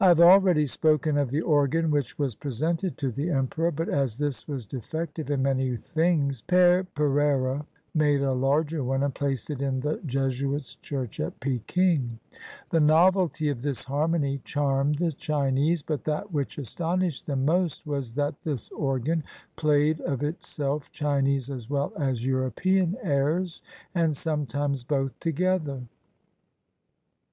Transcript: I have already spoken of the organ which was presented to the emperor; but as this was defective in many things, Pere Pereira made a larger one, and placed it in the Jesuits' church at Peking. The novelty of this harmony charmed the Chinese; but that which astonished them most was that this organ played of itself Chinese as well as European airs, and sometimes both together.